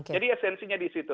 jadi esensinya di situ